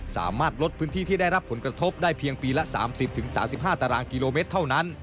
สามารถลดพื้นที่ที่ได้รับผลกระทบได้เพียงปีละ๓๐๓๕ตารางกิโลเมตรเท่านั้น